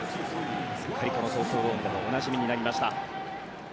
すっかりこの東京ドームでもおなじみになりました。